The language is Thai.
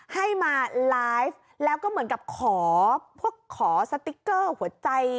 ให้มาไลฟ์แล้วก็เหมือนกับขอพวกขอสติ๊กเกอร์หัวใจ